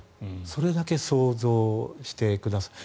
それだけ想像してください。